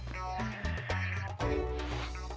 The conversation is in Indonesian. juragan juragan juragan juragan